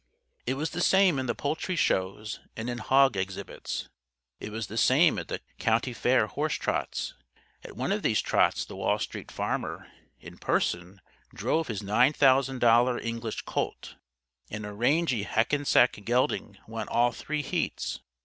It was the same in the poultry shows and in hog exhibits. It was the same at the County Fair horse trots. At one of these trots the Wall Street Farmer, in person, drove his $9000 English colt. And a rangy Hackensack gelding won all three heats.